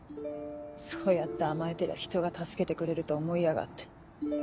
そうやって甘えてりゃひとが助けてくれると思いやがって。